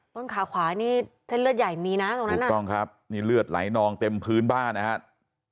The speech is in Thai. ต้นขาขวานี่เส้นเลือดใหญ่มีนะตรงนั้นถูกต้องครับนี่เลือดไหลนองเต็มพื้นบ้านนะครับ